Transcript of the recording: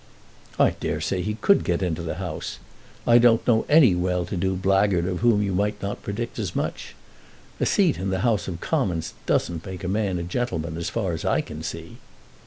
"I dare say he could get into the House. I don't know any well to do blackguard of whom you might not predict as much. A seat in the House of Commons doesn't make a man a gentleman as far as I can see."